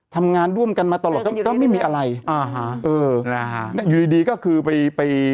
ทำงานร่วมกันมาตลอดก็ไม่มีอะไรอ่าฮะเออนะฮะอยู่ดีดีก็คือไปไป